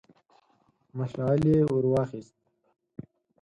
مشعل يې ور واخيست.